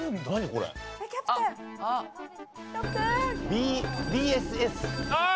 ビＢＳＳ。